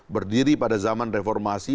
berdiri pada zaman reformasi